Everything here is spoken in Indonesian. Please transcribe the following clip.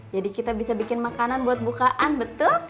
jadi kita bisa bikin makanan buat bukaan betul